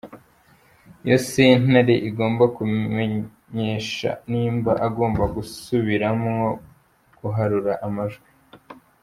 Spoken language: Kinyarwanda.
Iyo sentare igomba kumenyesha nimba bagomba gusubiramwo guharura amajwi.